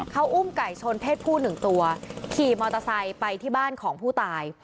เขาอุ้มไก่ชนเพศผู้หนึ่งตัวขี่มอเตอร์ไซค์ไปที่บ้านของผู้ตาย